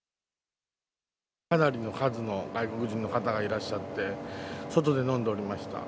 かなりの数の外国人の方がいらっしゃって、外で飲んでおりました。